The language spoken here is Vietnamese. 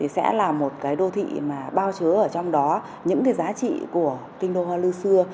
sẽ là một đô thị bao chứa ở trong đó những giá trị của kinh đô hoa lư xưa